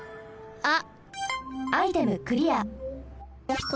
あっ。